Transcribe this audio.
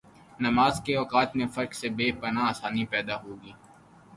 نمازکے اوقات میں فرق سے بے پناہ آسانی پیدا ہوگئی ہے۔